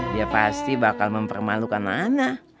dia pasti bakal mempermalukan anak